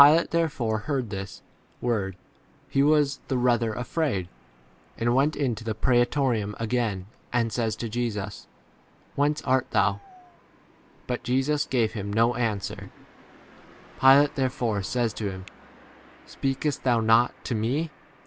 transposes 'release* and 'cru 8 When Pilate therefore heard this word, he was the rather afraid, 9 and went into the praetorium again and says to Jesus, Whence art thou •? But Jesus gave him no 10 answer. Pilate therefore says to him, Speakest thou not to me?